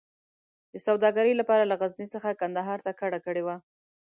د سوداګرۍ لپاره له غزني څخه کندهار ته کډه کړې وه.